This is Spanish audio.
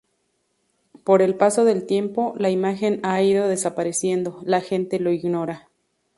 Por el paso del tiempo, la imagen ha ido desapareciendo, la gente lo ignora.